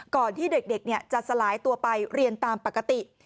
ก่อนที่เด็กจะสลายตัวไปเรียนตามปกติ